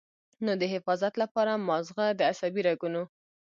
نو د حفاظت له پاره مازغۀ د عصبي رګونو